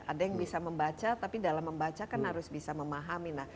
ada yang bisa membaca tapi dalam membaca kan harus bisa memahami